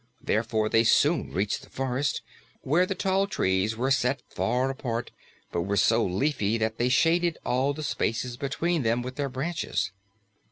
Therefore they soon reached the forest, where the tall trees were set far apart but were so leafy that they shaded all the spaces between them with their branches.